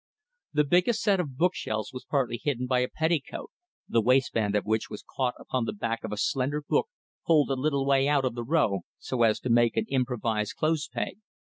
The biggest set of bookshelves was partly hidden by a petticoat, the waistband of which was caught upon the back of a slender book pulled a little out of the row so as to make an improvised clothespeg.